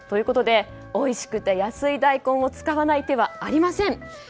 おいしくて安い大根を使わない手はありません。